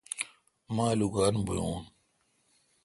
مہ الوگان بھویون